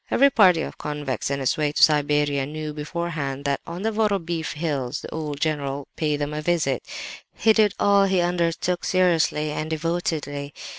Every party of convicts on its way to Siberia knew beforehand that on the Vorobeef Hills the "old general" would pay them a visit. He did all he undertook seriously and devotedly.